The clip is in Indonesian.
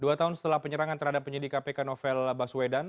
dua tahun setelah penyerangan terhadap penyidik kpk novel baswedan